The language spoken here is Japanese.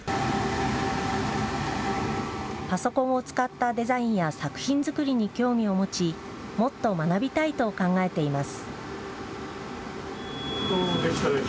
パソコンを使ったデザインや作品作りに興味を持ちもっと学びたいと考えています。